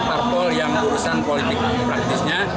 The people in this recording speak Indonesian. parpol yang urusan politik praktisnya